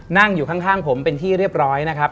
นั่งอยู่ข้างผมเป็นที่เรียบร้อยนะครับ